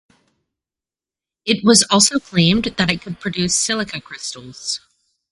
It was also claimed that it could produce silica crystals.